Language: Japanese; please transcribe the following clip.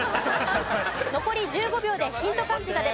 残り１５秒でヒント漢字が出ます。